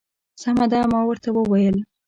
سمه ده. ما ورته وویل.